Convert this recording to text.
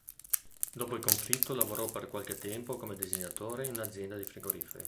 Dopo il conflitto lavorò per qualche tempo come disegnatore in un'azienda di frigoriferi.